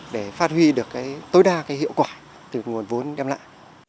để phát huy được cái tối đa hiệu quả từ nguồn vốn đem lại